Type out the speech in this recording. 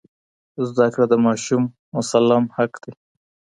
زده کړه د ماشوم مسلم حق دی.